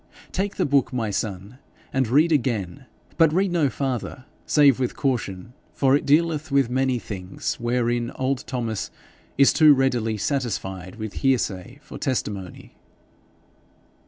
Take the book, my son, and read again. But read no farther save with caution, for it dealeth with many things wherein old Thomas is too readily satisfied with hearsay for testimony.'